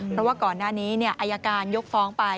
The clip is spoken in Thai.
เพราะว่าก่อนหน้านี้อายการยกฟ้องไป